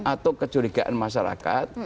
atau kecurigaan masyarakat